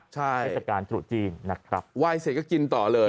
ใช่อธิษฐกาลจุจีนนะครับไหว้เสร็จก็กินต่อเลย